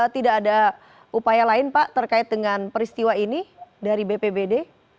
tidak ada upaya lain pak terkait dengan peristiwa ini dari bpbd